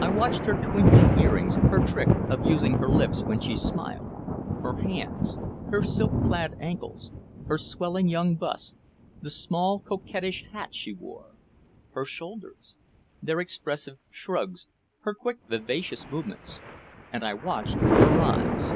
I watched her twinkling earrings, her trick of using her lips when she smiled, her hands, her silk clad ankles, her swelling young bust, the small coquettish hat she wore, her shoulders, their expressive shrugs, her quick vivacious movements and I watched her eyes.